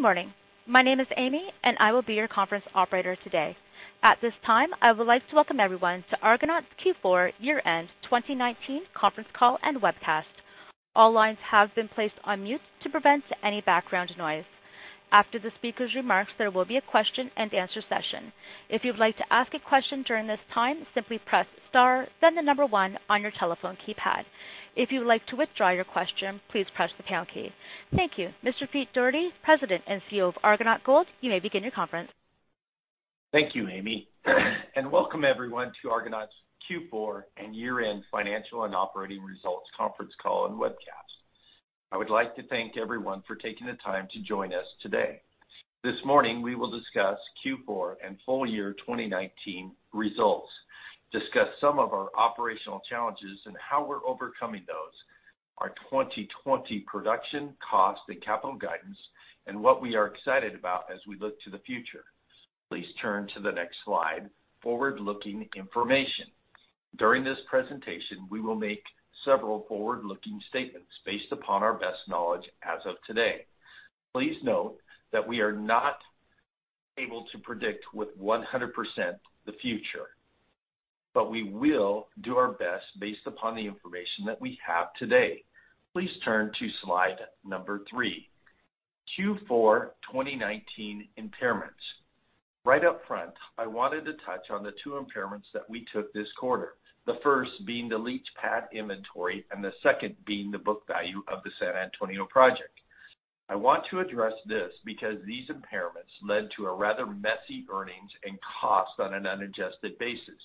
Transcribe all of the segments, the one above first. Good morning. My name is Amy, and I will be your conference operator today. At this time, I would like to welcome everyone to Argonaut Gold's Q4 Year-End 2019 Conference Call and Webcast. All lines have been placed on mute to prevent any background noise. After the speaker's remarks, there will be a question-and-answer session. If you'd like to ask a question during this time, simply press star, then the number one on your telephone keypad. If you would like to withdraw your question, please press the pound key. Thank you. Mr. Pete Dougherty, President and CEO of Argonaut Gold, you may begin your conference. Thank you, Amy, and welcome everyone to Argonaut's Q4 and Year-End Financial and Operating Results Conference Call and Webcast. I would like to thank everyone for taking the time to join us today. This morning, we will discuss Q4 and full-year 2019 results, discuss some of our operational challenges and how we're overcoming those, our 2020 production cost and capital guidance, and what we are excited about as we look to the future. Please turn to the next slide, forward-looking information. During this presentation, we will make several forward-looking statements based upon our best knowledge as of today. Please note that we are not able to predict with 100% the future, but we will do our best based upon the information that we have today. Please turn to slide three, Q4 2019 impairments. Right up front, I wanted to touch on the two impairments that we took this quarter, the first being the leach pad inventory and the second being the book value of the San Antonio project. I want to address this because these impairments led to a rather messy earnings and cost on an unadjusted basis.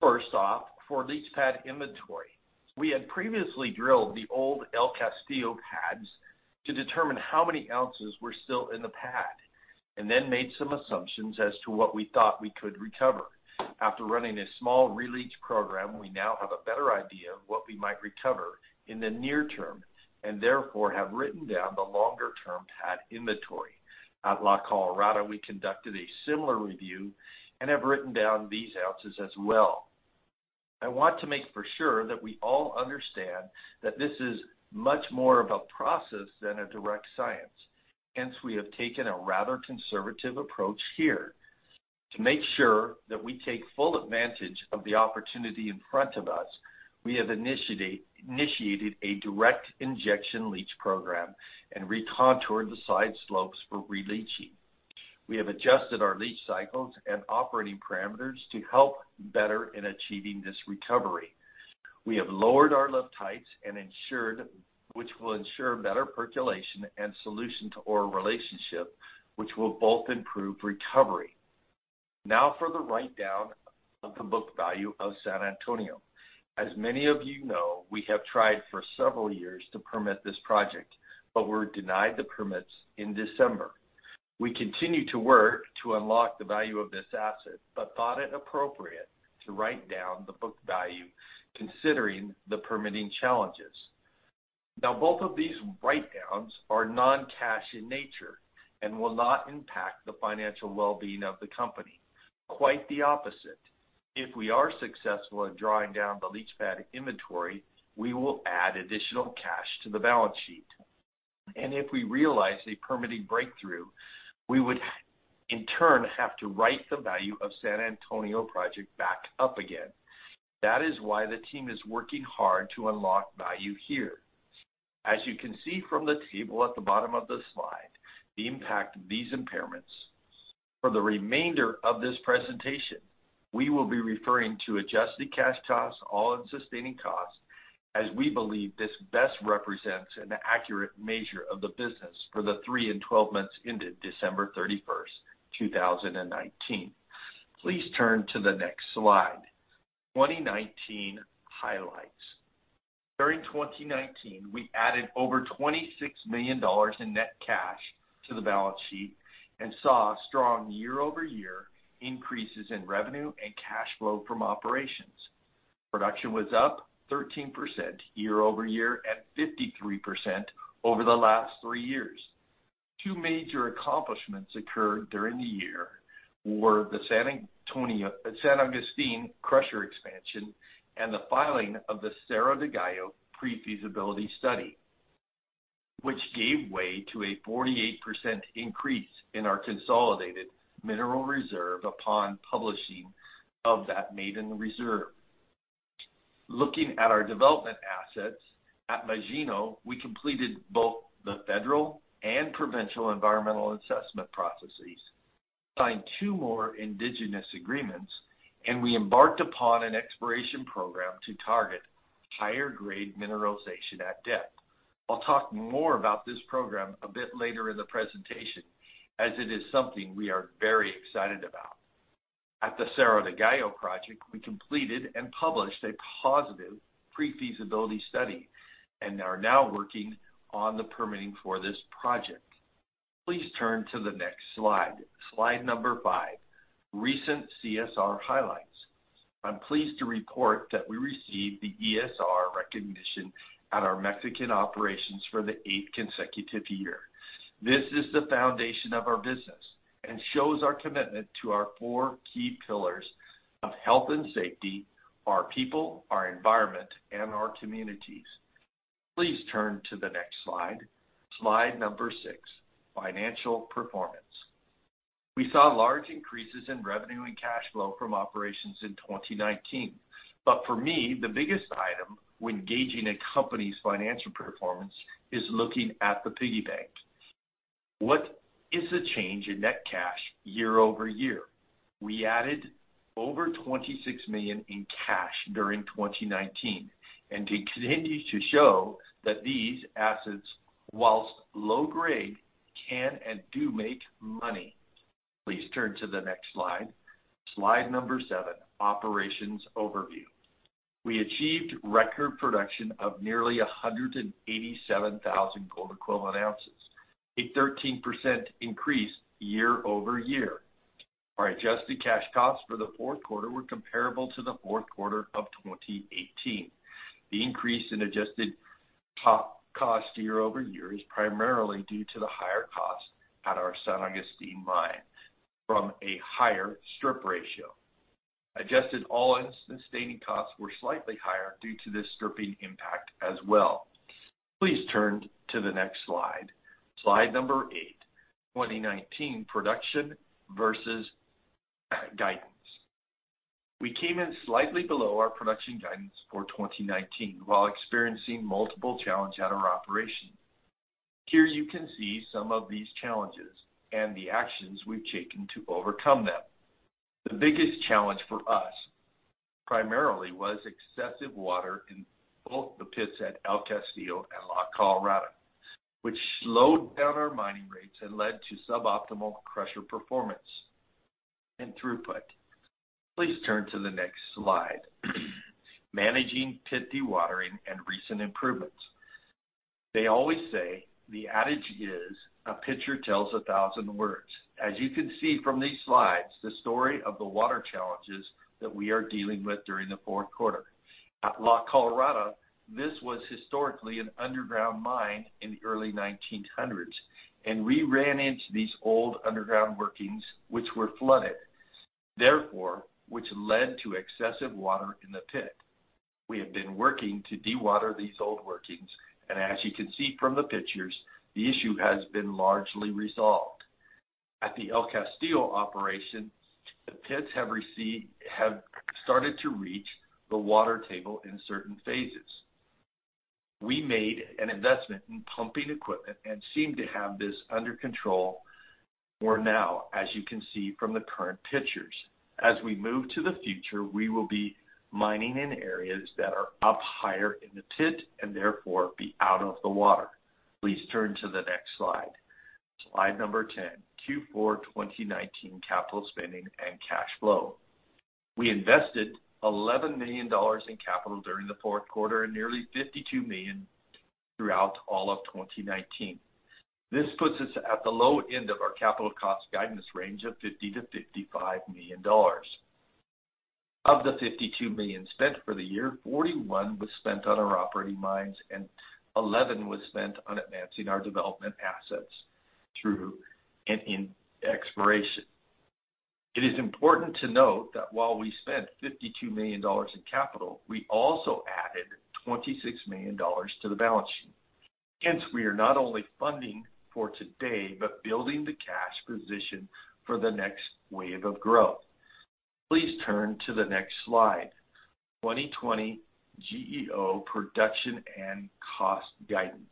First off, for leach pad inventory. We had previously drilled the old El Castillo pads to determine how many ounces were still in the pad, and then made some assumptions as to what we thought we could recover. After running a small re-leach program, we now have a better idea of what we might recover in the near term, and therefore have written down the longer-term pad inventory. At La Colorada, we conducted a similar review and have written down these ounces as well. I want to make for sure that we all understand that this is much more of a process than a direct science. We have taken a rather conservative approach here. To make sure that we take full advantage of the opportunity in front of us, we have initiated a direct injection leach program and recontoured the side slopes for re-leaching. We have adjusted our leach cycles and operating parameters to help better in achieving this recovery. We have lowered our lift heights, which will ensure better percolation and solution to ore relationship, which will both improve recovery. For the write-down of the book value of San Antonio. As many of you know, we have tried for several years to permit this project, but were denied the permits in December. We continue to work to unlock the value of this asset, but thought it appropriate to write down the book value considering the permitting challenges. Both of these write-downs are non-cash in nature and will not impact the financial well-being of the company. Quite the opposite. If we are successful in drawing down the leach pad inventory, we will add additional cash to the balance sheet. If we realize a permitting breakthrough, we would in turn have to write the value of San Antonio project back up again. That is why the team is working hard to unlock value here. As you can see from the table at the bottom of the slide, the impact of these impairments. For the remainder of this presentation, we will be referring to adjusted cash costs, all-in sustaining costs as we believe this best represents an accurate measure of the business for the three and 12 months ended December 31st, 2019. Please turn to the next slide. 2019 highlights. During 2019, we added over 26 million dollars in net cash to the balance sheet and saw strong year-over-year increases in revenue and cash flow from operations. Production was up 13% year-over-year, at 53% over the last three years. Two major accomplishments occurred during the year were the San Agustin crusher expansion and the filing of the Cerro del Gallo pre-feasibility study, which gave way to a 48% increase in our consolidated mineral reserve upon publishing of that maiden reserve. Looking at our development assets, at Magino, we completed both the federal and provincial environmental assessment processes, signed two more indigenous agreements, and we embarked upon an exploration program to target higher grade mineralization at depth. I'll talk more about this program a bit later in the presentation, as it is something we are very excited about. At the Cerro del Gallo project, we completed and published a positive pre-feasibility study and are now working on the permitting for this project. Please turn to the next slide. Slide number five, recent CSR highlights. I'm pleased to report that we received the ESR recognition at our Mexican operations for the eighth consecutive year. This is the foundation of our business and shows our commitment to our four key pillars of health and safety, our people, our environment, and our communities. Please turn to the next slide. Slide number six, financial performance. We saw large increases in revenue and cash flow from operations in 2019. For me, the biggest item when gauging a company's financial performance is looking at the piggy bank. What is the change in net cash year-over-year? We added over 26 million in cash during 2019, and continue to show that these assets, whilst low grade, can and do make money. Please turn to the next slide. Slide number seven, operations overview. We achieved record production of nearly 187,000 gold equivalent ounces, a 13% increase year-over-year. Our adjusted cash costs for the fourth quarter were comparable to the fourth quarter of 2018. The increase in adjusted cash cost year-over-year is primarily due to the higher cost at our San Agustin mine from a higher strip ratio. Adjusted all-in sustaining costs were slightly higher due to this stripping impact as well. Please turn to the next slide. Slide number eight, 2019 production versus guidance. We came in slightly below our production guidance for 2019 while experiencing multiple challenges at our operations. Here you can see some of these challenges and the actions we've taken to overcome them. The biggest challenge for us primarily was excessive water in both the pits at El Castillo and La Colorada, which slowed down our mining rates and led to suboptimal crusher performance and throughput. Please turn to the next slide. Managing pit dewatering and recent improvements. They always say, the adage is, a picture tells a 1,000 words. As you can see from these slides, the story of the water challenges that we are dealing with during the fourth quarter. At La Colorada, this was historically an underground mine in the early 1900s. We ran into these old underground workings, which were flooded, therefore, which led to excessive water in the pit. We have been working to dewater these old workings. As you can see from the pictures, the issue has been largely resolved. At the El Castillo operation, the pits have started to reach the water table in certain phases. We made an investment in pumping equipment. Seem to have this under control for now, as you can see from the current pictures. As we move to the future, we will be mining in areas that are up higher in the pit and therefore be out of the water. Please turn to the next slide. Slide number 10, Q4 2019 capital spending and cash flow. We invested 11 million dollars in capital during the fourth quarter and nearly 52 million throughout all of 2019. This puts us at the low end of our capital cost guidance range of 50 million-55 million dollars. Of the 52 million spent for the year, 41 million was spent on our operating mines and 11 million was spent on advancing our development assets through an in exploration. It is important to note that while we spent 52 million dollars in capital, we also added 26 million dollars to the balance sheet. Hence, we are not only funding for today, but building the cash position for the next wave of growth. Please turn to the next slide. 2020 GEO production and cost guidance.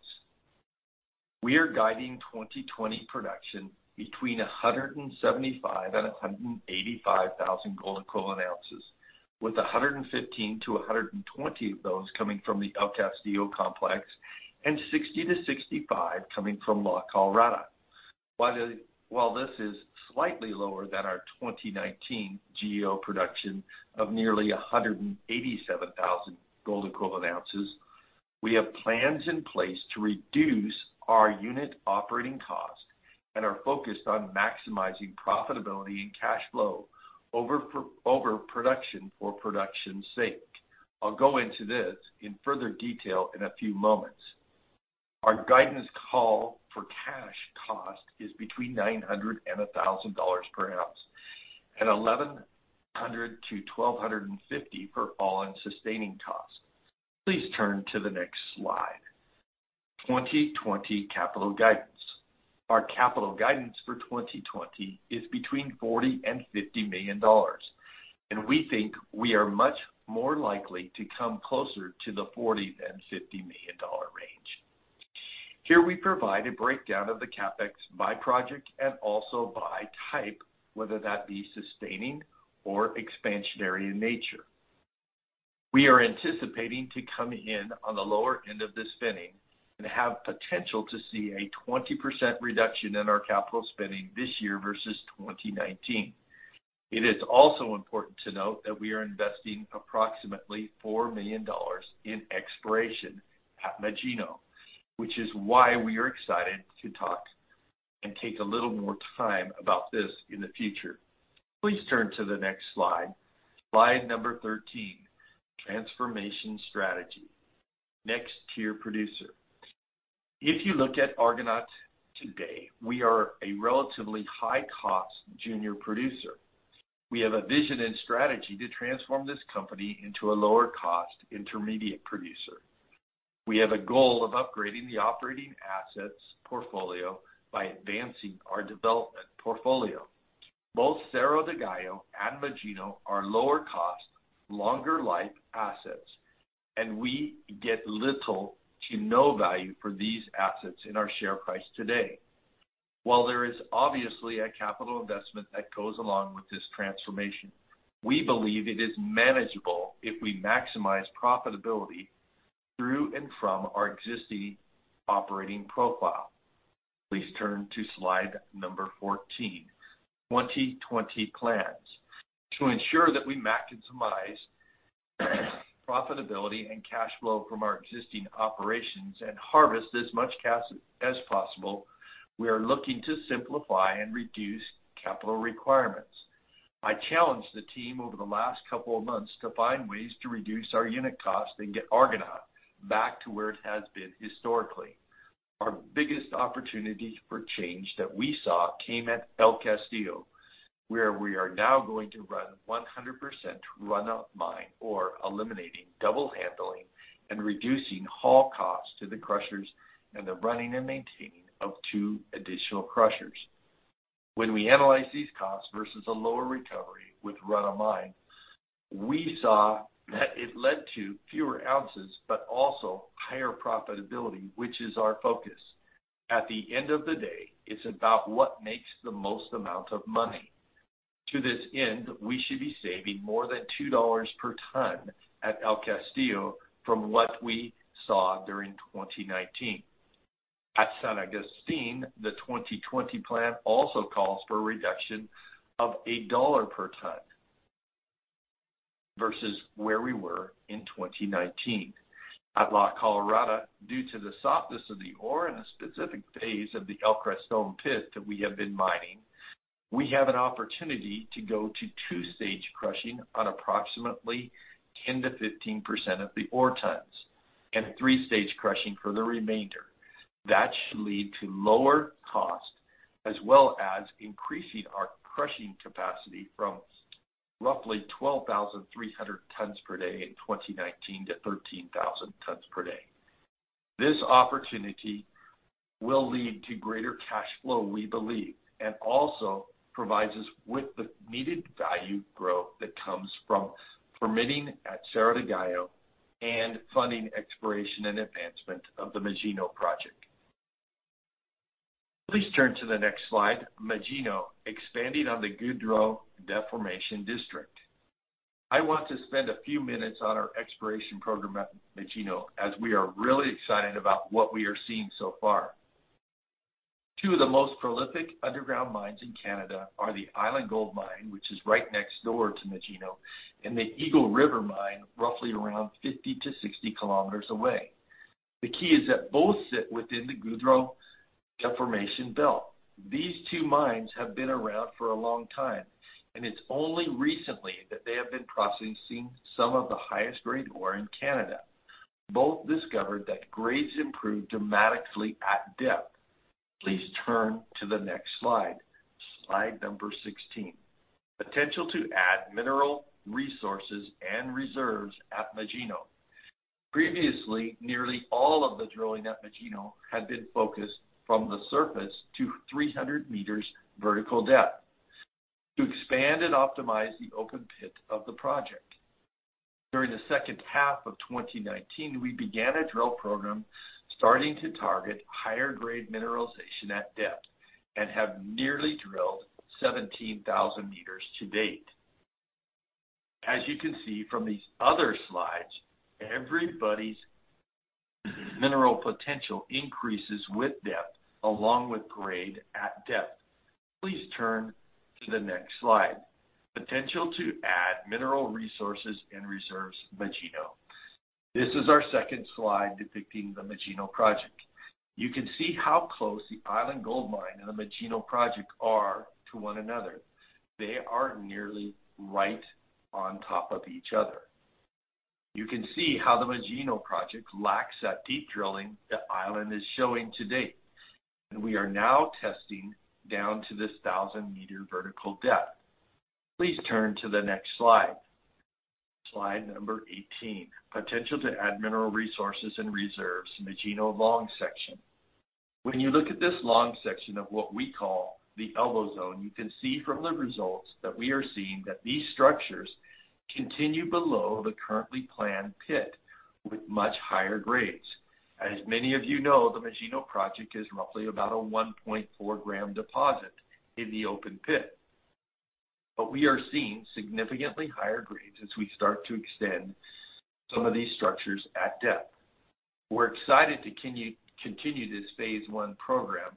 We are guiding 2020 production between 175,000 and 185,000 gold equivalent ounces, with 115,000-120,000 of those coming from the El Castillo complex and 60,000-65,000 coming from La Colorada. While this is slightly lower than our 2019 GEO production of nearly 187,000 gold equivalent ounces, we have plans in place to reduce our unit operating cost and are focused on maximizing profitability and cash flow over production for production's sake. I'll go into this in further detail in a few moments. Our guidance call for cash cost is between $900 and $1,000 per ounce, and $1,100 to $1,250 for all-in sustaining costs. Please turn to the next slide. 2020 capital guidance. Our capital guidance for 2020 is between $40 million and $50 million. We think we are much more likely to come closer to the $40 million than $50 million range. Here we provide a breakdown of the CapEx by project and also by type, whether that be sustaining or expansionary in nature. We are anticipating to come in on the lower end of the spending and have potential to see a 20% reduction in our capital spending this year versus 2019. It is also important to note that we are investing approximately 4 million dollars in exploration at Magino, which is why we are excited to talk and take a little more time about this in the future. Please turn to the next slide. Slide number 13, transformation strategy. Next tier producer. If you look at Argonaut today, we are a relatively high-cost junior producer. We have a vision and strategy to transform this company into a lower cost intermediate producer. We have a goal of upgrading the operating assets portfolio by advancing our development portfolio. Both Cerro del Gallo and Magino are lower cost, longer life assets, and we get little to no value for these assets in our share price today. While there is obviously a capital investment that goes along with this transformation, we believe it is manageable if we maximize profitability through and from our existing operating profile. Please turn to slide number 14, 2020 plans. To ensure that we maximize profitability and cash flow from our existing operations and harvest as much cash as possible, we are looking to simplify and reduce capital requirements. I challenged the team over the last couple of months to find ways to reduce our unit cost and get Argonaut back to where it has been historically. Our biggest opportunity for change that we saw came at El Castillo, where we are now going to run 100% run-of-mine ore, eliminating double handling and reducing haul costs to the crushers and the running and maintaining of two additional crushers. We analyze these costs versus a lower recovery with run-of-mine, we saw that it led to fewer ounces but also higher profitability, which is our focus. At the end of the day, it's about what makes the most amount of money. To this end, we should be saving more than 2 dollars per ton at El Castillo from what we saw during 2019. At San Agustin, the 2020 plan also calls for a reduction of CAD 1 per ton versus where we were in 2019. At La Colorada, due to the softness of the ore in a specific phase of the El Creston pit that we have been mining, we have an opportunity to go to two-stage crushing on approximately 10%-15% of the ore tons, and three-stage crushing for the remainder. That should lead to lower cost, as well as increasing our crushing capacity from roughly 12,300 tons per day in 2019 to 13,000 tons per day. This opportunity will lead to greater cash flow, we believe, and also provides us with the needed value growth that comes from permitting at Cerro del Gallo and funding exploration and advancement of the Magino project. Please turn to the next slide. Magino, expanding on the Goudreau Deformation district. I want to spend a few minutes on our exploration program at Magino, as we are really excited about what we are seeing so far. Two of the most prolific underground mines in Canada are the Island Gold Mine, which is right next door to Magino, and the Eagle River Mine, roughly around 50 to 60 km. The key is that both sit within the Goudreau Lake Deformation Zone. These two mines have been around for a long time, and it's only recently that they have been processing some of the highest-grade ore in Canada. Both discovered that grades improve dramatically at depth. Please turn to the next slide. Slide number 16. Potential to add mineral resources and reserves at Magino. Previously, nearly all of the drilling at Magino had been focused from the surface to 300 meters vertical depth to expand and optimize the open pit of the project. During the second half of 2019, we began a drill program starting to target higher-grade mineralization at depth and have nearly drilled 17,000 meters to date. As you can see from these other slides, everybody's mineral potential increases with depth, along with grade at depth. Please turn to the next slide. Potential to add mineral resources and reserves, Magino. This is our second slide depicting the Magino project. You can see how close the Island Gold Mine and the Magino project are to one another. They are nearly right on top of each other. You can see how the Magino project lacks that deep drilling that Island is showing to date. We are now testing down to this 1,000-meter vertical depth. Please turn to the next slide. Slide number 18. Potential to add mineral resources and reserves, Magino long section. When you look at this long section of what we call the Elbow Zone, you can see from the results that we are seeing that these structures continue below the currently planned pit with much higher grades. As many of you know, the Magino project is roughly about a 1.4-gram deposit in the open pit. We are seeing significantly higher grades as we start to extend some of these structures at depth. We're excited to continue this phase I program,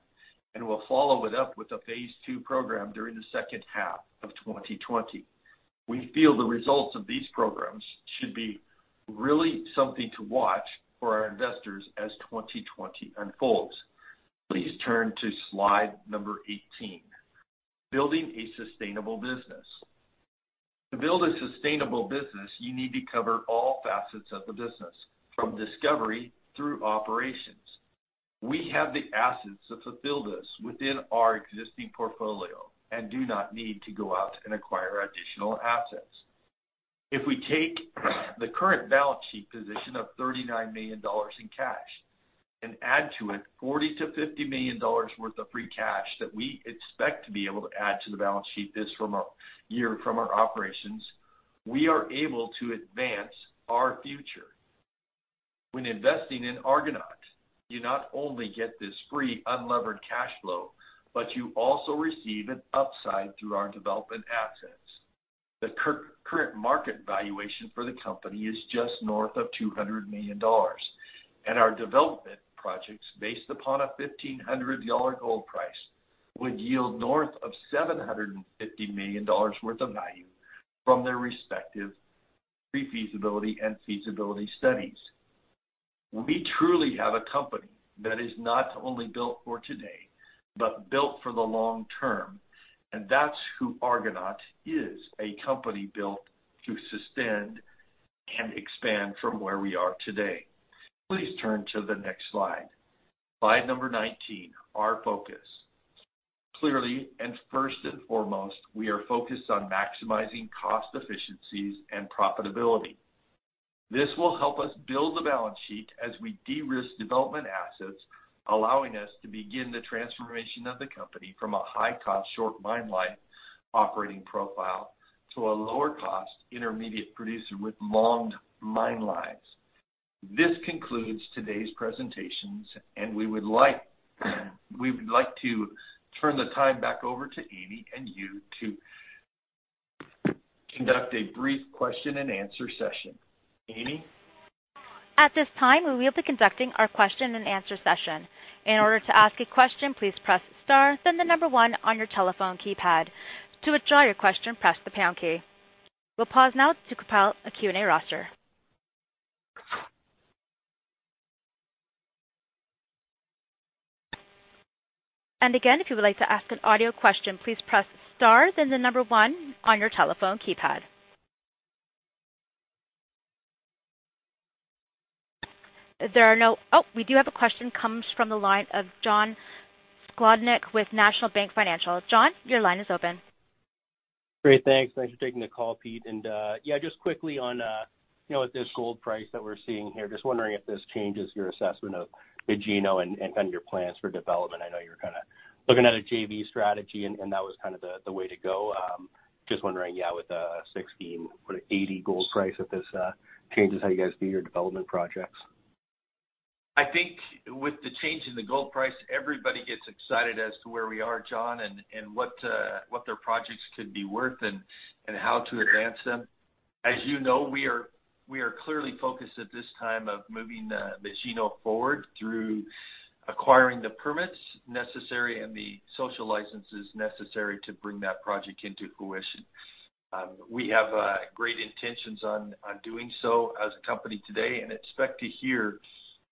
and we'll follow it up with a phase II program during the second half of 2020. We feel the results of these programs should be really something to watch for our investors as 2020 unfolds. Please turn to slide number 18, building a sustainable business. To build a sustainable business, you need to cover all facets of the business, from discovery through operations. We have the assets to fulfill this within our existing portfolio and do not need to go out and acquire additional assets. If we take the current balance sheet position of 39 million dollars in cash and add to it 40 million-50 million dollars worth of free cash that we expect to be able to add to the balance sheet this year from our operations, we are able to advance our future. When investing in Argonaut, you not only get this free unlevered cash flow, but you also receive an upside through our development assets. The current market valuation for the company is just north of 200 million dollars, and our development projects, based upon a 1,500 dollar gold price, would yield north of 750 million dollars worth of value from their respective pre-feasibility and feasibility studies. We truly have a company that is not only built for today, but built for the long term, and that's who Argonaut is, a company built to sustain and expand from where we are today. Please turn to the next slide. Slide number 19, our focus. Clearly, and first and foremost, we are focused on maximizing cost efficiencies and profitability. This will help us build the balance sheet as we de-risk development assets, allowing us to begin the transformation of the company from a high-cost, short mine life operating profile to a lower cost intermediate producer with long mine lives. This concludes today's presentations. We would like to turn the time back over to Amy and you to conduct a brief question and answer session. Amy? At this time, we will be conducting our question and answer session. In order to ask a question, please press star, then the number one on your telephone keypad. To withdraw your question, press the pound key. We'll pause now to compile a Q&A roster. Again, if you would like to ask an audio question, please press star then the number one on your telephone keypad. There are no, we do have a question, comes from the line of John Sclodnick with National Bank Financial. John, your line is open. Great. Thanks. Thanks for taking the call, Pete. Just quickly on, with this gold price that we're seeing here, just wondering if this changes your assessment of Magino and, kind of your plans for development. I know you're kind of looking at a JV strategy, and that was kind of the way to go. Just wondering, with a $1,680 gold price, if this changes how you guys view your development projects. I think with the change in the gold price, everybody gets excited as to where we are, John, and what their projects could be worth and how to advance them. As you know, we are clearly focused at this time of moving Magino forward through acquiring the permits necessary and the social licenses necessary to bring that project into fruition. We have great intentions on doing so as a company today and expect to hear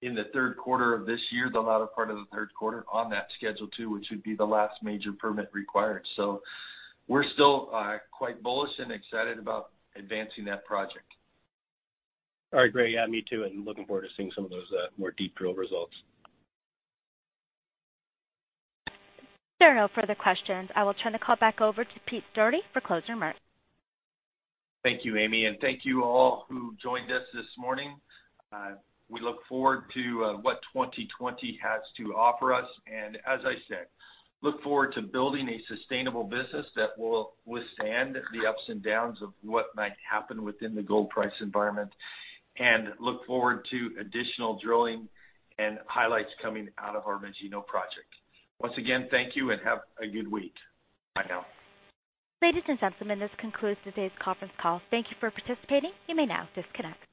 in the third quarter of this year, the latter part of the third quarter, on that Schedule 2, which would be the last major permit required. We're still quite bullish and excited about advancing that project. All right. Great. Yeah, me too. Looking forward to seeing some of those more deep drill results. There are no further questions. I will turn the call back over to Pete Dougherty for closing remarks. Thank you, Amy, and thank you all who joined us this morning. We look forward to what 2020 has to offer us and, as I said, look forward to building a sustainable business that will withstand the ups and downs of what might happen within the gold price environment and look forward to additional drilling and highlights coming out of our Magino project. Once again, thank you and have a good week. Bye now. Ladies and gentlemen, this concludes today's conference call. Thank you for participating. You may now disconnect.